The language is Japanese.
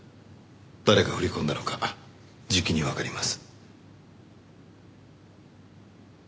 誰が振り込んだのかじきにわかります。